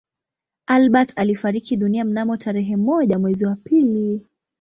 Albert alifariki dunia mnamo tarehe moja mwezi wa pili